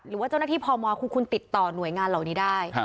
หรือว่าเจ้าหน้าที่พมคือคุณติดต่อหน่วยงานเหล่านี้ได้